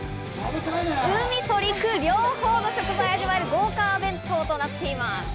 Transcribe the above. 海と陸、両方の食材を味わえる豪華弁当となっています。